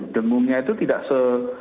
dengungnya itu tidak se